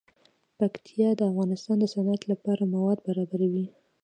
پکتیا د افغانستان د صنعت لپاره مواد برابروي.